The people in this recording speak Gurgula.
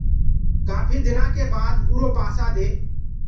ڪآڦي دنآ ڪي بآد اُرو پآسآ دي